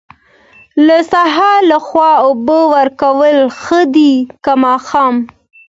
د سهار لخوا اوبه ورکول ښه دي که ماښام؟